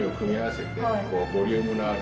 ボリュームのある。